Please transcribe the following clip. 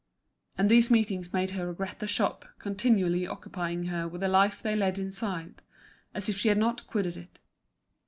And these meetings made her regret the shop, continually occupying her with the life they led inside, as if she had not quitted it.